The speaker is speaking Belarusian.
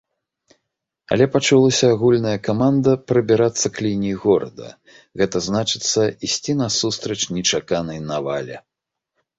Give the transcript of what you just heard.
Але пачулася агульная каманда прабірацца к лініі горада, гэта значыцца ісці насустрач нечаканай навале.